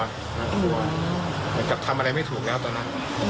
เหมือนกับทำอะไรไม่ถูกแล้วตอนนั้น